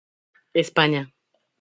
España